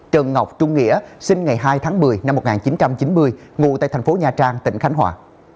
trần ngọc trung nghĩa sinh ngày hai tháng một mươi năm một nghìn chín trăm chín mươi ngụ tại thành phố nha trang tỉnh khánh hòa